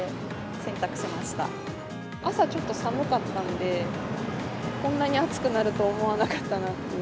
朝、ちょっと寒かったんで、こんなに暑くなると思わなかったなという。